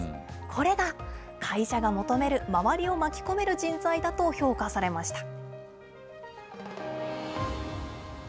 これが、会社が求める周りを巻き込める人材だと評価されました。